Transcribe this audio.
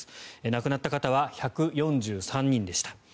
亡くなった方は１４３人でした。